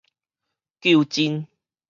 究真